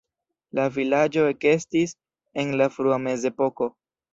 La vilaĝo ekestis en la frua Mezepoko.